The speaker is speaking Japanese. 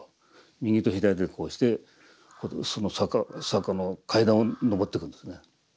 右と左でこうしてその坂の階段を上ってくんですね。